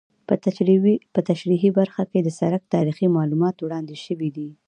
په تشریحي برخه کې د سرک تاریخي معلومات وړاندې شوي دي